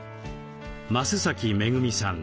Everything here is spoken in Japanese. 増めぐみさん